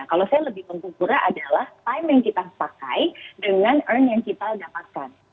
kalau saya lebih mengukurnya adalah time yang kita pakai dengan earn yang kita dapatkan